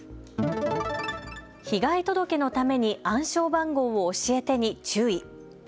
被害届のために暗証番号を教えてに注意。